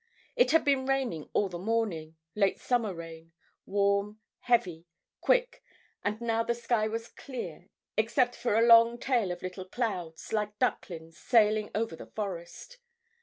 It had been raining all the morning, late summer rain, warm, heavy, quick, and now the sky was clear, except for a long tail of little clouds, like ducklings, sailing over the forest.